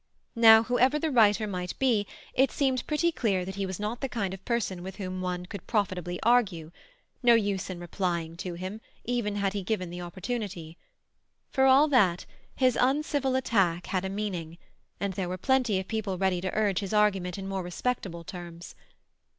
Now, whoever the writer might be, it seemed pretty clear that he was not the kind of person with whom one could profitably argue; no use in replying to him, even had he given the opportunity. For all that, his uncivil attack had a meaning, and there were plenty of people ready to urge his argument in more respectable terms.